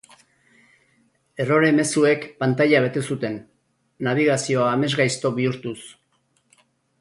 Errore mezuek pantaila bete zuten, nabigazioa amesgaizto bihurtuz.